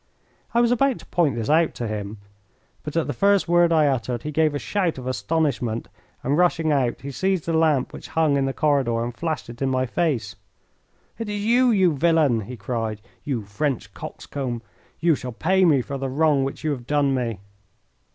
I was about to point this out to him, but at the first word I uttered he gave a shout of astonishment, and, rushing out, he seized the lamp which hung in the corridor and flashed it in my face. "It is you, you villain!" he cried. "You French coxcomb. You shall pay me for the wrong which you have done me."